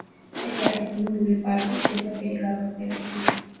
ეს არის იურული პარკის პირდაპირი გაგრძელება.